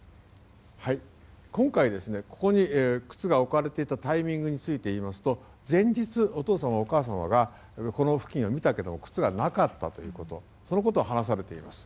今回、ここに靴が置かれていたタイミングについていいますと前日、お父様お母様がこの付近を見たけれど靴がなかったということを話されています。